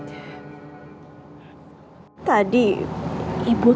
ya allah ya tuhan